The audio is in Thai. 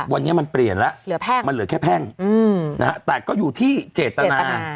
วันนี้มันเปลี่ยนแล้วมันเหลือแค่แพ่งนะฮะแต่ก็อยู่ที่เจตนา